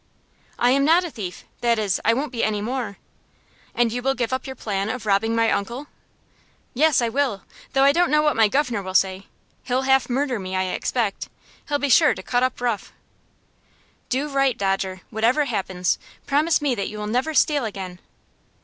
"I am not a thief! That is, I won't be any more." "And you will give up your plan of robbing my uncle?" "Yes, I will; though I don't know what my guv'nor will say. He'll half murder me, I expect. He'll be sure to cut up rough." "Do right, Dodger, whatever happens. Promise me that you will never steal again?"